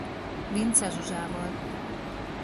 Vincze Zsuzsával.